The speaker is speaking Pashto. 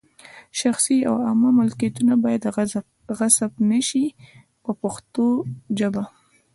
شخصي او عامه ملکیتونه باید غصب نه شي په پښتو ژبه.